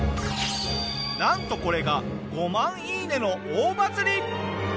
なんとこれが５万いいねの大バズり！